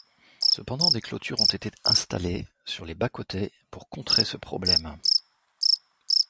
Cependant, des clôtures ont été installées sur les bas-côtés pour contrer ce problème.